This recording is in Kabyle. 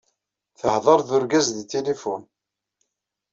Tehder d urgaz di tilifun.